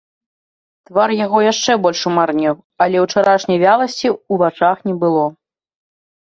Твар яго яшчэ больш умарнеў, але ўчарашняй вяласці ў вачах не было.